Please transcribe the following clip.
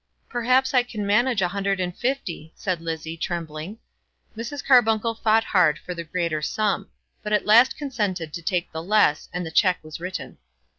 "Perhaps I can manage a hundred and fifty," said Lizzie, trembling. Mrs. Carbuncle fought hard for the greater sum; but at last consented to take the less, and the cheque was written.